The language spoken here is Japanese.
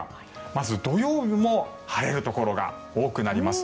まず、土曜日も晴れるところが多くなります。